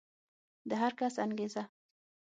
د هر کس انګېزه